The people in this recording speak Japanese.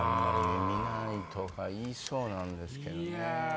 見ないとか言いそうなんですけどね。